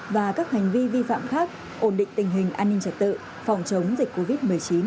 và các hành vi vi phạm khác ổn định tình hình an ninh trật tự phòng chống dịch covid một mươi chín